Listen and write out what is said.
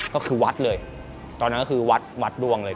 ก็คือวัดเลยตอนนั้นก็คือวัดวัดดวงเลย